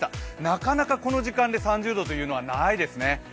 なかなかこの時間で３０度というのはないですね。